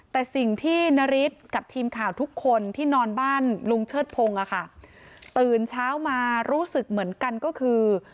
แต่สิ่งที่นฤทธิ์กับทีมข่าวทุกคนที่นอนบ้านลุงเชิดพงศ์อะค่ะตื่นเช้ามารู้สึกเหมือนกันก็คือ